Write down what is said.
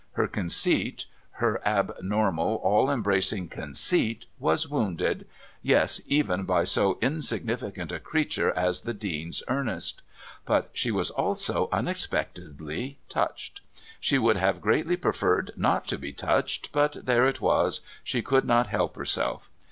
Her conceit, her abnormal all embracing conceit was wounded yes, even by so insignificant a creature as the Dean's Ernest; but she was also unexpectedly touched. She would have greatly preferred not to be touched, but there it was, she could not help herself.